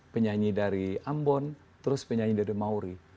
penyanyi dari ambon terus penyanyi dari maury